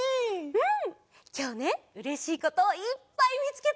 うん。